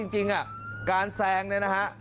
จริงอ่ะการแซงนะฮะ